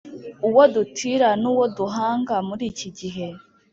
uwo dutira n’uwo duhanga muri iki gihe